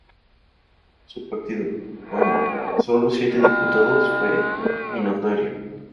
Su partido, con sólo siete diputados, fue minoritario.